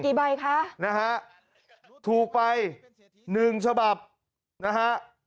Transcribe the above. กี่ใบคะนะฮะถูกไป๑ฉบับนะฮะ